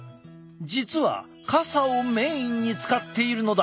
実は傘をメインに使っているのだ。